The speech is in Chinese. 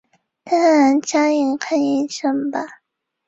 徐熙媛的二姐。